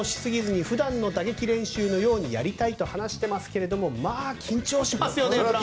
本番では緊張しすぎずに普段の打撃練習のようにやりたいと話してますけれどもまあ、緊張しますよねと。